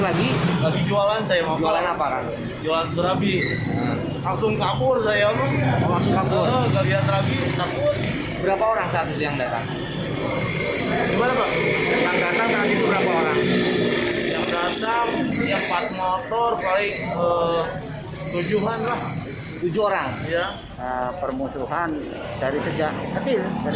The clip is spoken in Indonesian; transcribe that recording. lagi jualan saya mau jualan apa kan jualan terapi langsung kapur saya mau langsung kapur